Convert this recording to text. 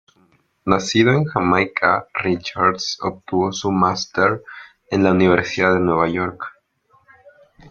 Nacido en Jamaica, Richards obtuvo su máster en la Universidad de Nueva York.